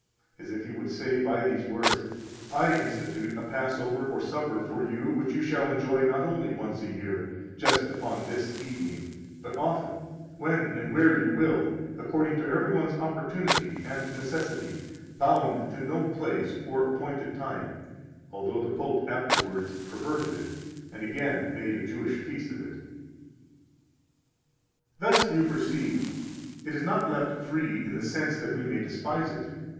As if He would say by these words: I institute a Passover or Supper for you which you shall enjoy not only once a year, just upon this evening, but often, when and where you will, according to every one's opportunity and necessity, bound to no place or appointed time; 48 although the Pope afterwards perverted it, and again made a Jewish feast of it. 49 Thus, you perceive, it is not left free in the sense that we may despise it.